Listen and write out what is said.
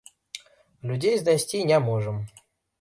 Людзей знайсці не можам!